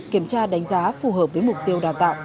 kiểm tra đánh giá phù hợp với mục tiêu đào tạo